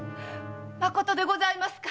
まことでございますか